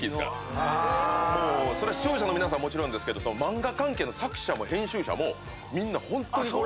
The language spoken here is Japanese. そりゃ視聴者の皆さんはもちろんですけど漫画関係の作者も編集者もみんなホントにこれ。